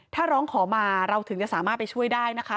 ถ้าร้องขอมาเราถึงจะสามารถไปช่วยได้นะคะ